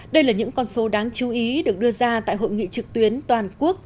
đây là những con số đáng chú ý được đưa ra tại hội nghị trực tuyến toàn quốc